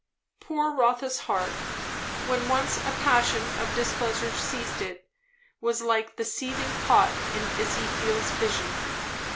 Poor Rotha's heart, when once a passion of displeasure seized it, was like the seething pot in Ezekiel's vision.